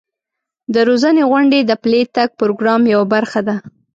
د روزنې غونډې د پلي تګ پروګرام یوه برخه ده.